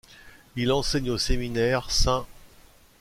Il enseigne au séminaire St.